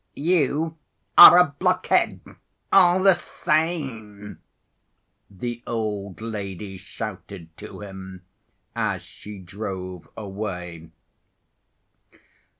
"You are a blockhead all the same," the old lady shouted to him as she drove away.